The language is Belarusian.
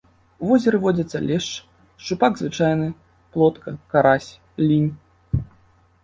У возеры водзяцца лешч, шчупак звычайны, плотка, карась, лінь.